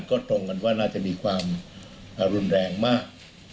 ก็ตรงกันว่าน่าจะมีความรุนแรงมาก